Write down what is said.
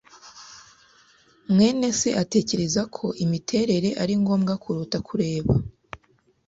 mwene se atekereza ko imiterere ari ngombwa kuruta kureba.